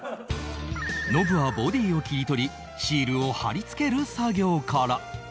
ノブはボディを切り取りシールを貼り付ける作業から